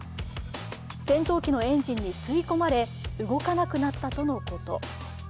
戦闘機のエンジンに吸い込まれ動かなくなったとのこと。